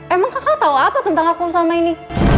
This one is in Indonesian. emang kakak tau apa tentang aku sama ini